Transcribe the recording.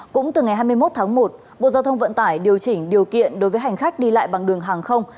cũng từ ngày hai mươi một tháng một bộ giao thông vận tải điều chỉnh điều kiện đối với hành khách đi lại bằng đường hàng không